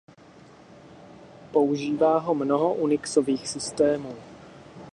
Používá ho mnoho unixových systémů.